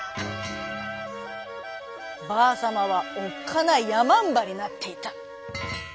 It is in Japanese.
ばあさまはおっかないやまんばになっていた。